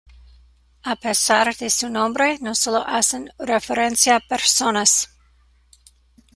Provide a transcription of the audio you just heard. A pesar de su nombre, no solo hacen referencia a personas.